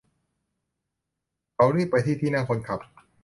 เขารีบไปที่ที่นั่งคนขับ